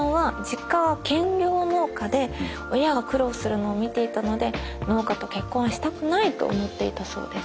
実家は兼業農家で親が苦労するのを見ていたので農家と結婚したくないと思っていたそうです。